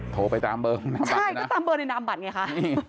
โทรไปตามเบอร์นำบัตรใช่ก็ตามเบอร์ในนามบัตรไงคะ